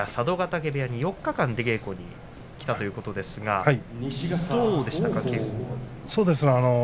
嶽部屋に４日間出稽古に来たということですがどうでしたか？